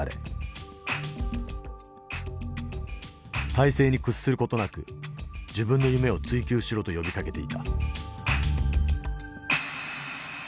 体制に屈する事なく自分の夢を追求しろと呼びかけていた。